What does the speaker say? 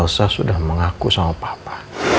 saya sudah mengaku sama papa